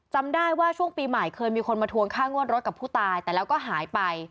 จำได้ว่าช่วงปีใหม่เคยมีคนมาทวงค่างวดรถกับผู้ตายแต่แล้วก็หายไป